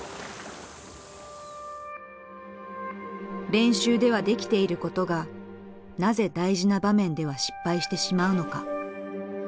練習ではできていることがなぜ大事な場面では失敗してしまうのか。